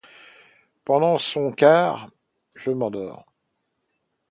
Pendant son quart je m’endors.